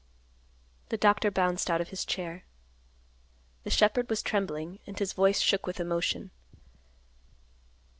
The doctor bounced out of his chair. The shepherd was trembling, and his voice shook with emotion.